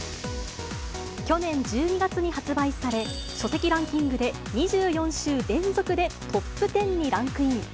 去年１２月に発売され、書籍ランキングで２４週連続でトップ１０にランクイン。